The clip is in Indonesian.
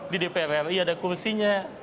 di dpr ri ada kursinya